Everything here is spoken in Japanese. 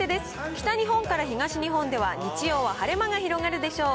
北日本から東日本では日曜は晴れ間が広がるでしょう。